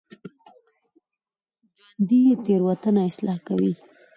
ژوندي تېروتنه اصلاح کوي